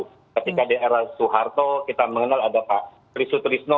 ketika di era soeharto kita mengenal ada pak trisutrisno